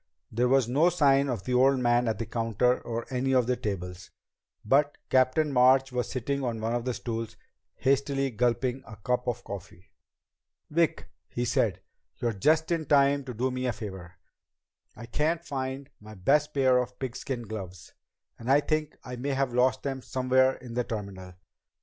There was no sign of the old man at the counter or any of the tables, but Captain March was sitting on one of the stools, hastily gulping a cup of coffee. "Vic," he said, "you're just in time to do me a favor. I can't find my best pair of pigskin gloves, and I think I may have lost them somewhere in the terminal.